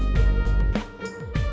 jangan set pilgrim